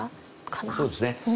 そうですね。